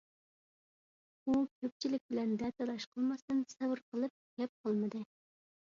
ئۇ كۆپچىلىك بىلەن دەتالاش قىلماستىن سەۋر قىلىپ گەپ قىلمىدى.